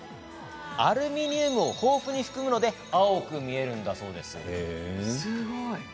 アルミニウムを豊富に含むので青く見えるんだとか。